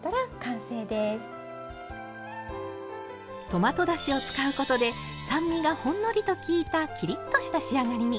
トマトだしを使うことで酸味がほんのりと効いたきりっとした仕上がりに。